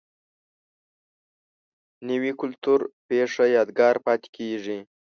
نوې کلتوري پیښه یادګار پاتې کېږي